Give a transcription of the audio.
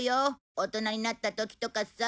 大人になった時とかさ。